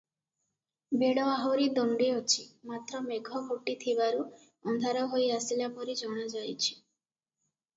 ବେଳ ଆହୁରି ଦଣ୍ତେ ଅଛି, ମାତ୍ର ମେଘ ଘୋଟିଥିବାରୁ ଅନ୍ଧାର ହୋଇ ଆସିଲା ପରି ଜଣାଯାଅଛି ।